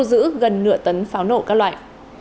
gần nửa tấn pháo nổ các loại